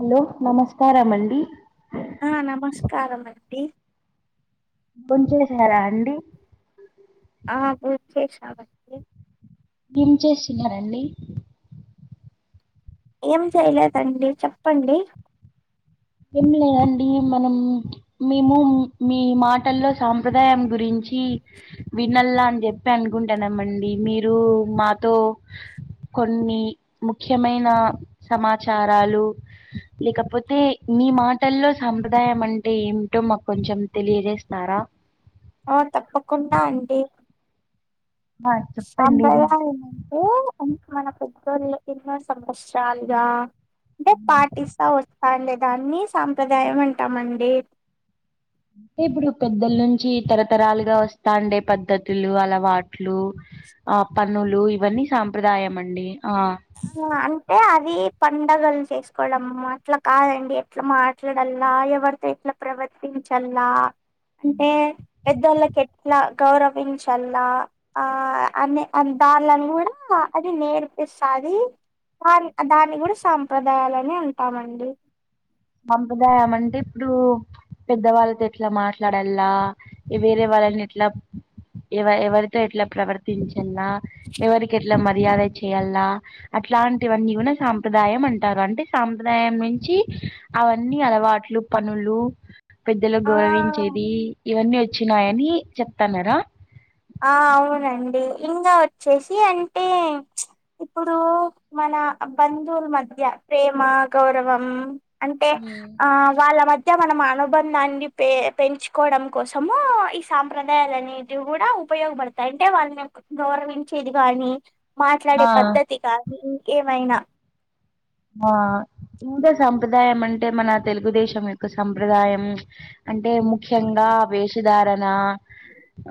Hello నమస్కారామండి ఆ నమస్కారామండి బోం చేసారా అండి ఆ బోం చేసాను అండి ఏం చేస్తున్నారండి ఏం చేయలేదండి చెప్పండి ఏం లేదండి మనం మేము మీ మాటల్లో సాంప్రదాయం గురించి వినల్ల అని చెప్పి అనుకుంటాన్నామండి మీరు మాతో కొన్ని ముఖ్యమైన సమాచారాలు లేకపోతే మీ మాటల్లో సాంప్రదాయం అంటే ఏమిటో మాకొంచెం తెలియజేస్తారా ఆ తప్పకుండా అండి ఆ చెప్పండి అబ్బయ ఎందంటే అనే మనకుం కర్యా ఇన్న సంవస్తారాలుగా అంటే పటిస్తా వస్ పండే దాన్ని సాంప్రదాయం అంటామ అండి అంటే ఇప్పుడు పెద్దల నుంచి తరతరాలుగా వస్తాండే పద్ధతులు అలవాట్లు ఆ పనులు ఇవన్నీ సాంప్రదాయం అండి ఆ అంటే అది పండగలను చేసుకోవడంమ్ అట్లా కాదండి ఎట్లా మాట్లాడల్లా ఎవరితో ఎట్లా ప్రవర్తించల్ నా అంటే పెద్దళ్లకి ఎట్లా గౌరవించల్లా ఆ అనే దాని కూడా అది నేర్పిస్త్ ఆది దాని దాన్ని కూడా సాంప్రదాయాలనే అంటామండి సాంప్రదాయం అంటే ఇప్పుడు పెద్దవాళ్ళతో ఎట్లా మాట్లాడల్లా వేరే వాళ్ళని ఎట్లా ఎవ ఎవరితో ఎట్లా ప్రవర్తించల్లా ఎవరికి ఎట్లా మర్యాద చేయాల్లా అట్లాంటివన్నీ కూడా సాంప్రదాయం అంటారు అంటే సాంప్రదాయం నుంచి అవన్నీ అలవాట్లు పనులు పెద్దలు ఆ గౌరవించేది ఇవన్నీ వచ్ చ్చినాయని చెప్తాన్నారా ఆ అవునండి ఇంకా వచ్చేసి అంటే ఇప్పుడు మన బంధువుల మధ్య ప్రేమ గౌరవం అంటే ఉ ఆ వాళ్ళ మధ్య మధ్య మనం అనుబంధాన్ని పె పెంచుకోవడం కోసము ఈ సాంప్రదాయాలన్నిటి కూడా ఉపయోగపడతాయి అంటే వాళ్ళని గౌరవించేది గాని మాట్లాడే ఆ పద్ధతి కానీ ఏమైన ఆ ఉదస్ సంప్రదాయం అంటే మన తెలుగుదేశం తో ఎప్పుడు సంప్రదాయం అంటే ముఖ్యంగా వేషధారణ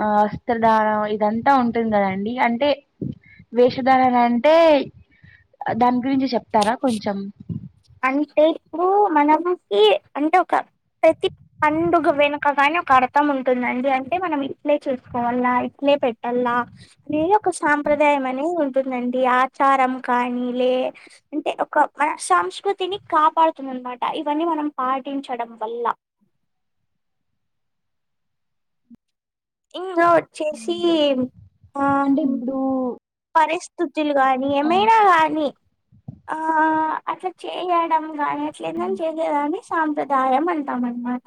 ఆ వస్త్రధారం అదంతా ఉంటుంది కదండి అంటే వేషధారన అంటే దాని గురించి చెప్తారా కొంచెం అంటే ఇప్పుడు మనముకి అంటే ఒక ప్రతి పండుగ వెనుక కాని ఒక అర్థం ఉంటుందండి అంటే మనం ఇట్లే చూసుకోవాల ఇట్లే పెట్టాల అది ఒక సాంప్రదాయం అనేది ఉంటుందండి ఆచారం కానీ లే అంటే ఒక మన సంస్కృ సంస్కృతిని కాపాడుతుందినమాట ఇవన్నీ మనం పాటించడం వల్ల ఇంగోడ్ చేసి హ్మ్. ఆ అంటే ఇప్పుడు పరిస్ తతులు గానీ ఆ ఏమైన గానీ ఆ అట్లా చేయడం గాని చేమించేది వానిష్ సాంప్రదాయం అంటామ్ ఆన్ మాట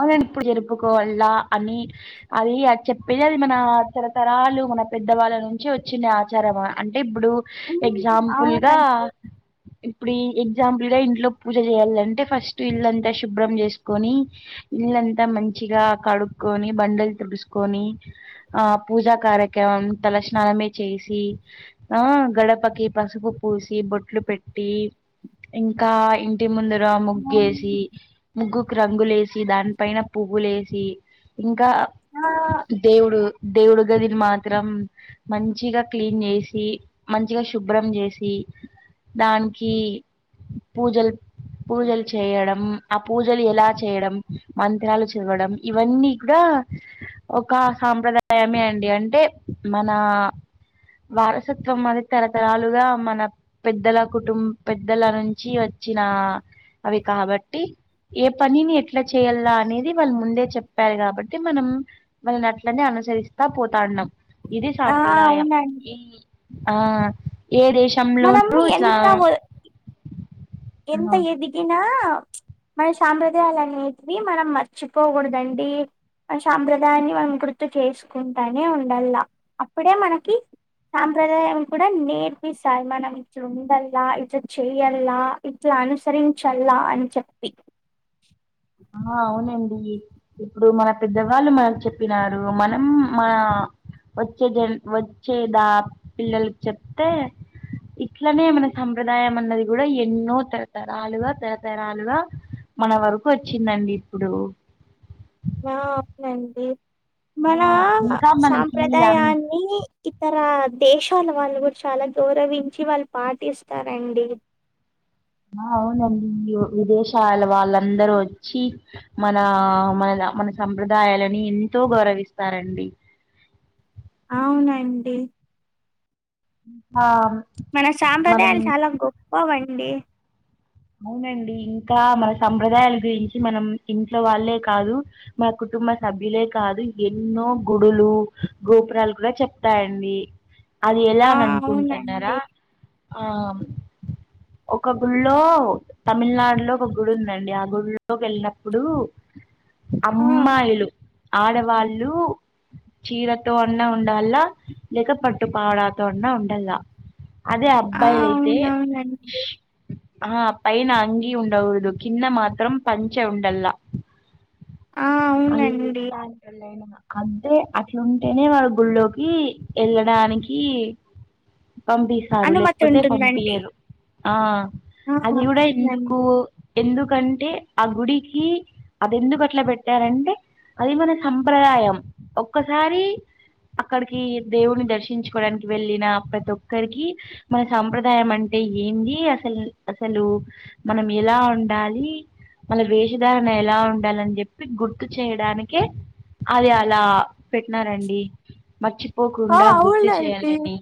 అవునను ఇప్పుడు జరుపుకోవా ల్లా అని అది అది చెప్పేది అది మన తరతరాలు మన పెద్దవాళ్ళ నుంచి వచ్చిన ఆచారం అంటే ఇప్పుడు హ్మ్. ఎగ్జామ్పుల్గా అవునండి. ఇప్పుడు ఎగ్జాంపుల్ గా ఇంట్లో పూజ చేయ్యాలంటే ఫస్ట్ ఇల్లంతా శుభ్రం చేసుకొని ఇళ్ళంతా మంచిగా కడుక్కొని బండలు తుడుసుకొని ఆ పూజా కార్యక్రమం తలస్నానమే చేసి ఆ గడపకి పసుపు పూసి బొట్లు పెట్టి ఇంకా ఇంటి ముందర్ అవును. ముగ్గేసి ముగ్గు రంగు లేస్ దాని పైన పువ్వులు ఏసి ఇం కా ఆ! దేవుడు దేవుడు గదిని మాత్రం మంచిగా క్లీన్ చేసి మంచిగా శుభ్రం చేసి దానికి పూజలు పూజలు చేయడం ఆ పూజలు ఎలా చేయడం మంత్రాలు చదవడం ఇవన్నీ కూడా ఒక సాంప్రదాయమే అండి అంటే మన వారసత్వం అది తరతరాలుగా మన పెద్దల కుటుం పెద్దల నుంచి వచ్చిన అవి కాబట్టి ఏ పని నీ ఎ ట్లా చేయాలా అనేది వాళ్ళు ముందే చెప్ ప్పారు కాబట్టి మనం వళ్నీని అట్లనే అనుసరిస్తా పోతా ఉన్నాం ఇది ఆ! సాంప్రదాయం అవునండి. ఆ ఏ మనం దేశంలోనూ ఇట్లా ఎంత వ ఆ, ఎంత ఎదిగిన మన సాంప్రదాయాలు అనేటివి మనం మర్చిపోకూడదండి మన సాంప్రదాయాన్ని మనం గుర్తు చేసుకుంటానే ఉండల్లా అప్పుడే మనకి సాంప్రదాయం కూడా నేర్పిస్తారు మనం ఇట్లా ఉండల్లా ఇట్ చెయల్లా ఇట్లా అనుసరించల్ల అని చెప్పి ఆ అవునండి ఇప్పుడు మన పెద్దవాళ్ళు మనకు చెప్పినారు మనం మన వచ్చే జన్ వచ్చేదా పిల్లలకి చెప్తే ఇట్లనే మన సంప్రదాయం అన్నది కూడా ఎన్నో తరతరాలుగా తరతరాలుగా మన వరక్ బ్బు చ్చిందండి ఇప్పుడు ఆ అవునండి మనా ఆ ఇంకా మనకి అన్ సాంప్రదాయాన్ని ఇతర దేశాల వాళ్ళు కూడా చాలా గౌరవించి వాళ్ళు పాటిస్తారండి ఆ అవునండి విదేశాల వాళ్ళందరూ వచ్చి మన మన మనసంప్రదాయాలని ఎంతో గౌరవిస్తారండి అవునండి ఆమ్ మన సాంప్రదాయాలు చాలా గొప్పవం డి అవునండి ఇంకా మన సంప్రదాయాల గురించి మన ఇంట్లో వాళ్ళే కాదు మనం కుటుంబ సభ్యులే కాదు ఎన్నో గుడులు గోపురాలు కూడా చెప్తాయండి అది ఎలా ఆ నాన్కుంటున్నారా అవునండి ఆ ఒక గుళ్ళో తమిళనాడులో ఒక గుడి ఉందండి ఆ గుళ్ళో కి వెళ్ళినప్పుడు ఆ అమ్మాయిలు ఆడవాళ్ళు చీరతో అన్నా ఉండాల లెక పట్టుపావడతో అన్నా ఉండాల్ల అదే ఆ అబ్బాయిలైతే అవునవునండి ఆ పైన అంగి ఉండకూడదు కింద మాత్రం పంచ ఉండల్ల ఆ అలీ అవునండి ప్ర్యాన్లనైనా అదే అట్లా ఉంటేనే వాళ్ళ గుళ్ళోకి ఏళ్ళడానికి పంపిస్తారు అనుమతి లేకపోతే ఉంటుందండి పంపింయారు ఆ ఆ అది కూడా ఎందుకు అవునండి ఎందుకంటే ఆ గుడికి అది ఎందుకుఅట్లా పెట్టారంటే అది మన సంప్రదాయం ఒక్కసారి అక్కడికి దేవుని దర్శించుకోవడానికి వెళ్ళిన ప్రతి ఒక్కరికి మన సంప్రదాయం అంటే ఏంది అసలు అసలు మనం ఎలా ఉండాలి మన వేషధారణ ఎలా ఉండాలి అని చెప్పి గుర్తు చేయడానికే అది అలా పెట్టినారండి ఆ మర్చిపోకుండా గుర్తు అవునండి చేయాలని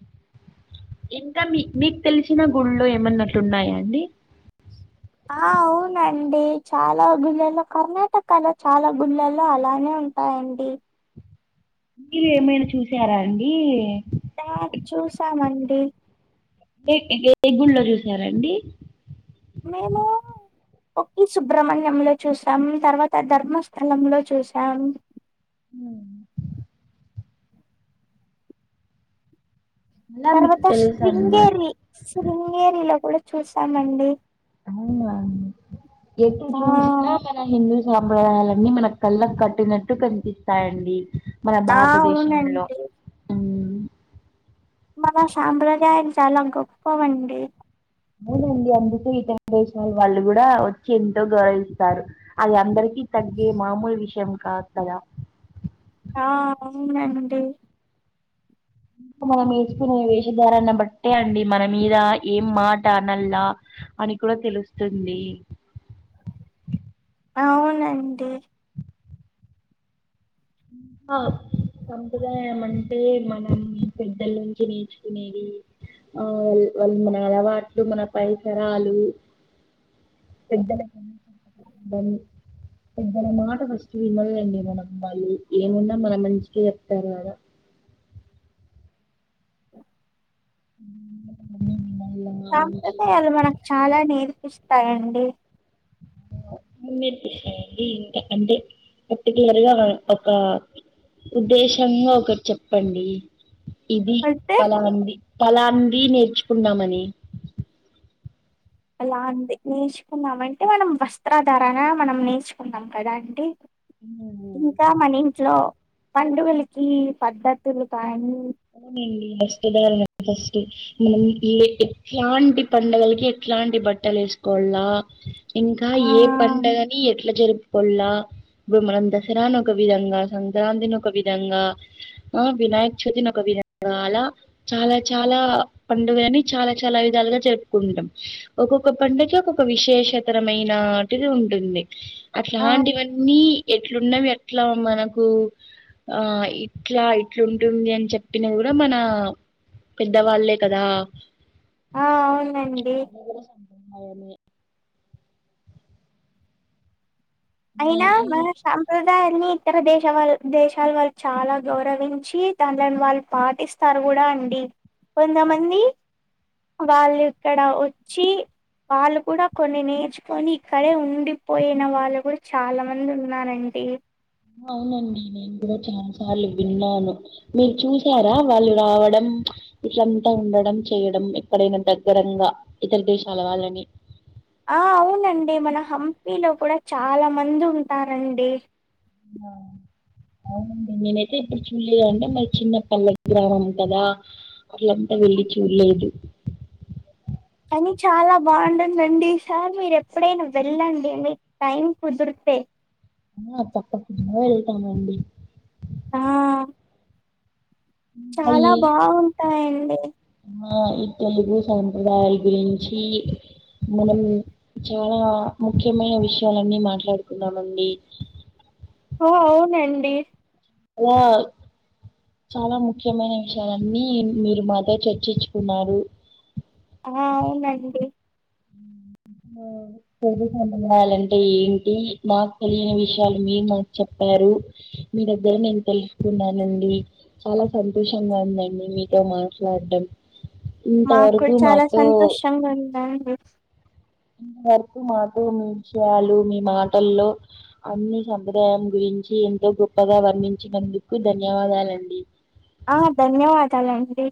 ఇంకా మీ మీకు తెలిసిన గుళ్లో ఏమన్నా అట్లా ఉన్నాయా అండి అండి ఆ అవునండి చాలా గుళ్ళలో కర్ణాటకలో చాలా గుళ్ళల్లో అలానే ఉంటాయండి మీరు ఏమైనా చూసారా అండి [unintelligible] చూసనన్ ఇ ఎంటి ఏ గుళ్ళో చూసారాండి మేము కొక్కి సుబ్రహ్మణ్యంలో చూసాం తర్వాత ధర్మస్థలంలో చూసాం అలా మీకు పర్వాత తెలుసు అన్నమాట శ్రీంగేరి శృంగేరిలో కూడా చూసానండి అవునా ఎటు ఆ చూసినా మన హిందూ సాప్రదాయాలన్నీ మన కళ్ళ కట్టినట్టు కనిపిస్తాయండి మన ఆ భారతదేశంలో అవునండి మ్మ్ మన సాంప్రదాయలు చాలా గొప్పవండి అవునండి అందుకె ఇతర దేశాల వాళ్ళు కూడా వచ్చి ఎంతో గౌరవిస్తారు అది అందరికిీ తగ్గే మామూలు విషయం కాదు కదా ఆ అవునండి ఇంకా మనం వేసుకునే వేషధారన్ని బట్టే అండి మన మీద ఏం మాట అనల్ల అని కూడా తెలుస్తుంది అవునండి ఆ సంప్రదాయం అంటే మనం పెద్దల నుంచి నేర్చుకునేది ఆ వాళ్ళు మన అలవాట్లు మన పరిసరాలు పెద్దల [inaudible] పెద్దాల మాట ఫస్ట్ విన్నాళ్ల అండి మనం [unintelligible] ఏమున్నా మన మంచికె చెప్తారు కదా ఉ సాంప్రదాయాలు మనకు చాలా నేర్పిస్ టాయండి [inaudible] అండి ఇంకా అంటే పర్టికులర్గా ఒక ఉద్దేశంగా ఒకర్ చెప్పు ప్పండి ఇది అయితే చాలా మంది తలాంది నేర్చుకుందమని అలా అంటే నేర్చుకునం అంటే మనం వస్త్రాధారన మనం నేర్చుకుంనం కదా అండి ఉమ్ ఇంకా మనీ ఇట్లో పండుగలకి పద్ధతులు కానీ అవునండి ఫస్దారుణ ఫస్ట్ మనం ఎట్లాంటి పండగలకి ఎట్లాంటి బట్టలు వేసుకోవాల ఇంకా ఆ ఏ పండగని ఎట్లా జరుపు కొల్లా ఇప్పుడు మనం దసరా ఒక విధంగా సంక్రాంతిని ఒక విధంగా ఆ వినాయక చవితిని ఒక [unintelligible] చాలా చాలా పండుగని చాలా చాలా విధాలుగా జరుపుకుంటాం ఒక్కొక్క పండుకి ఒక్కొక్క విశేషతరమైనటిది ఉంటుంది ఆ అట్లాంటివన్నీ ఎట్లున్నావి ఇట్లా మనకు ఆ ఇట్లా ఇట్లాంటుంది అని చెప్ప [unintelligible] కూడా మన పెద్దవాళ్ళే కదా ఆ అవునండి [unintelligible] అయినా ఈ మా సంప్రదాయ అన్ని ఇతర దేశ వాళ్ళ దేశాలు వాళ్ళు చాలా గౌరవించి [unintelligible] వాళ్ళు పాటిస్తారు కూడా అండి కొంతమంది వాళ్ళు ఇక్కడ వచ్చి వాళ్ళు కూడా కొన్ని నేర్చుకొని ఇక్కడే ఉండిపోయిన వాళ్ళు కూడా చాలా మంది ఉన్నారండి అవునండి నేను కూడా చాలా సార్లు విన్నాను మీరు చూసారా వాళ్ళు రావడం ఇట్లంతా ఉండడం చేయడం ఎక్కడైనా దగ్గరంగా ఇతర దేశాల వాళ్ళని ఆ అవునండి మన హంపీలో కూడా చాలా మంది ఉంటారండి అవునండి నేనైతే ఇప్పుడు చూడలేదు అంటే మరి చిన్న పల్లె గ్రామం కదా [unintelligible] వెళ్ళి చూడలేదు కానీ చాలా బాగుంటుందండి ఈ సార్ మీరు ఎప్పుడైనా వెళ్ళండి మీ టైం కుదిరితే ఆ తప్పకుండా వెళ్తామండి ఆ చాలా అయి బాగుంటాయండి ఈ తెలుగు సాప్రదాయాల గురించి మనం చాలా ముఖ్యమైన విషయాలన్నీ మాట్లాడుకున్నాం అండి ఓ అవునండి అల చాలా ముఖ్యమైన విషయాలన్నీ మీరు మాతో చర్చించుకున్నారు ఆ అవునండి ఆ [unintelligible] ఏంటి మాకు తెలియని విషయాలు మీ మాకు చెప్పారు మీ దగ్గర నేను తెలుసుకున్నానండి చాలా సంతోషంగా ఉందండి మీతో మాట్లాడం మాకు కూడా చాలా సంతోషంగా ఉందాం హు ఇంతవరకు మాతో మీ విషయాలు మీ మాటల్లో అన్ని సంప్రదాయం గురించి ఎంతో గొప్పగా వర్ణించినందుకు ధన్యవాదాలండి ఆ ధన్యవాదాలండి